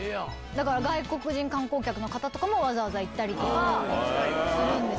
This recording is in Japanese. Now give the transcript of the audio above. だから外国人観光客の方とかもわざわざ行ったりとかするんです。